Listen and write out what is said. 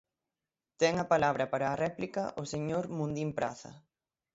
Ten a palabra para a réplica o señor Mundín Praza.